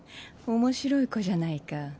面白い子じゃないか。